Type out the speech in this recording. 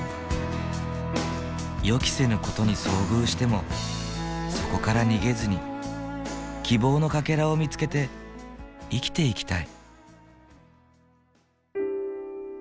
予期せぬ事に遭遇してもそこから逃げずに希望のかけらを見つけて生きていきたい。